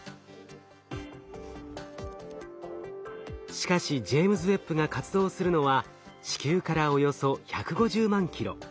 しかしジェイムズ・ウェッブが活動するのは地球からおよそ１５０万ｋｍ。